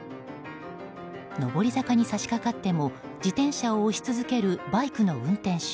上り坂に差し掛かっても自転車を押し続けるバイクの運転手。